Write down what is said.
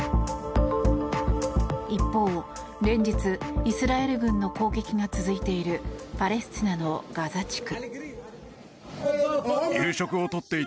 一方、連日イスラエル軍の攻撃が続いているパレスチナのガザ地区。